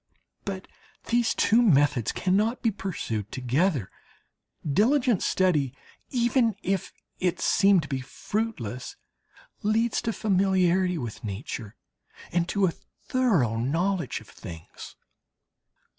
But these two methods cannot be pursued together. Diligent study, even if it seem to be fruitless, leads to familiarity with nature and to a thorough knowledge of things.